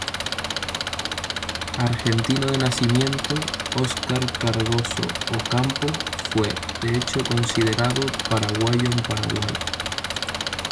Argentino de nacimiento, Oscar Cardozo Ocampo fue, de hecho, considerado paraguayo en Paraguay.